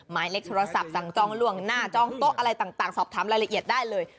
หมายเลขโทรศัพท์สั่งจองล่วงหน้าจองโต๊ะอะไรต่างสอบถามรายละเอียดได้เลย